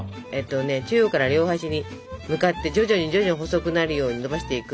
中央から両端に向かって徐々に徐々に細くなるようにのばしていく。